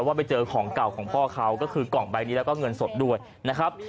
ว่าไปเจอของเก่าของพ่อเขาก็คือกล่องใบนี้แล้วก็เงินสดด้วยนะครับ